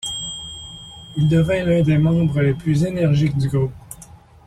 Il devint l'un des membres les plus énergiques du groupe.